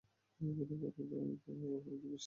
মনে করল—এই তো রহমতের বৃষ্টি আসছে।